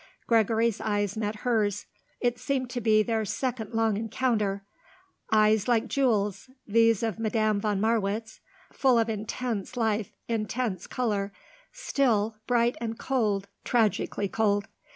Gregory's eyes met hers; it seemed to be their second long encounter; eyes like jewels, these of Madame von Marwitz; full of intense life, intense colour, still, bright and cold, tragically cold.